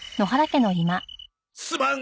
すまん！